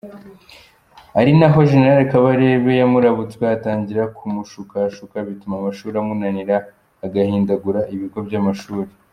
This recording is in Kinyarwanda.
Ari naho General Kabarebe yamurabutswe atangira kumushukashuka bituma amashuri amunanira agahindagura ibigo by’amashuri.